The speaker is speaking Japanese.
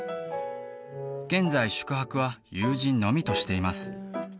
現在宿泊は友人のみとしています